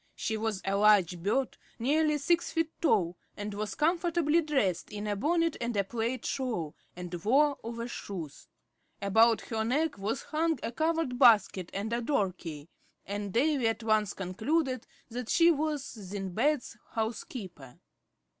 She was a large bird, nearly six feet tall, and was comfortably dressed, in a bonnet and a plaid shawl, and wore overshoes. About her neck was hung a covered basket and a door key; and Davy at once concluded that she was Sindbad's house keeper.